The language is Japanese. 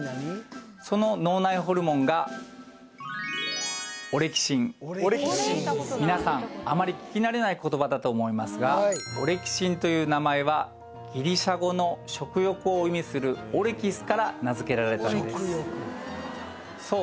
その脳内ホルモンがオレキシンみなさんあまり聞き慣れない言葉だと思いますがオレキシンという名前はギリシア語の食欲を意味するオレキスから名付けられたのですそう